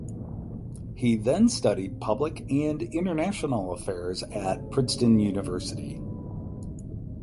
He then studied public and international affairs at Princeton University.